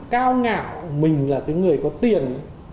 cao ngạo mình là cái người có tiền